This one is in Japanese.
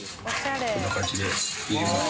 こんな感じで煎ります。